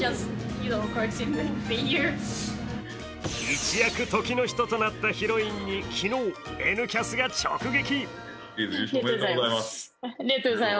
一躍時の人となったヒロインに昨日、「Ｎキャス」が直撃。